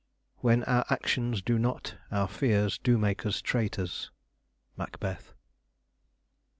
"When our actions do not, Our fears do make us traitors." Macbeth.